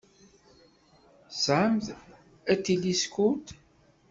Tesɛamt atiliskud?